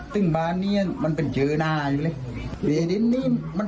ตรงนั้นเราครับรถข้าวมาโจทย์ตอนนี้นะครับ